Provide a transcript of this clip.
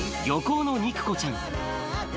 漁港の肉子ちゃん。